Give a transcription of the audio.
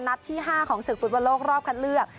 นัดที่๕ของศึกฟุตบอลโลกรอบคัดเลือก